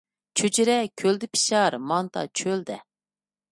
چۆچۈرە كۆلدە پىشار، مانتا چۆلدە